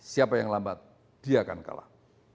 siapa yang lambat dia akan kalah